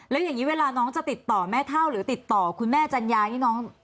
แล้วอย่างนี้เวลาน้องจะติดต่อแม่เท่าหรือติดต่อคุณแม่จัญญานี่น้อง